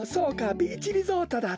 ビーチリゾートだった。